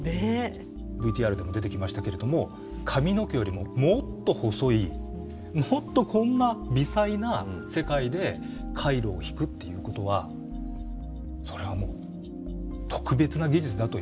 ＶＴＲでも出てきましたけれども髪の毛よりももっと細いもっとこんな微細な世界で回路を引くっていうことはそれはもう特別な技術だということは言えると思いますね。